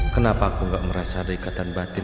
kenapa aku gak merasa ada ikatan batin